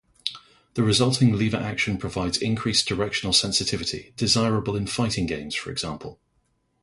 The resulting lever action provides increased directional sensitivity, desirable in fighting games for example.